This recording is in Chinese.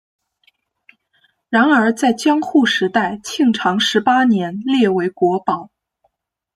然而在江户时代庆长十八年列为国宝。